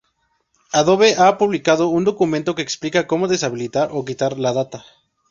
Adobe ha publicado un documento que explica cómo deshabilitar o quitar la data.